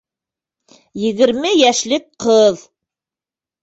Егерме йәшлек ҡыҙ!